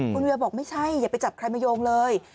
คุณเวียบอกไม่ใช่อย่าไปจับใครมาโยงเลย